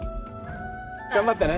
頑張ってね。